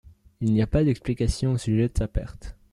Il n'y a pas d'explication au sujet de sa perte.